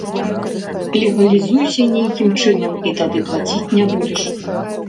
Легалізуйся нейкім чынам і тады плаціць не будзеш.